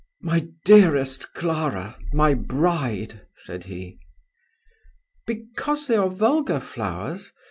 "My dearest Clara! my bride!" said he. "Because they are vulgar flowers?"